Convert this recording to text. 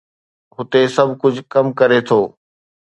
هتي سڀ ڪجهه ڪم ڪري ٿو.